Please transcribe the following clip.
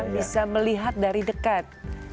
bisa melihat dari dekat